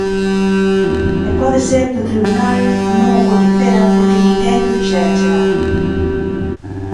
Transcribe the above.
E pode ser que o tribunal non o coñecera porque ninguén llo fixera chegar.